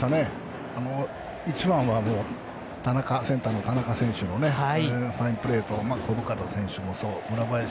一番はセンターの田中選手のファインプレーと小深田選手もそう。